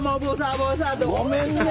ごめんね。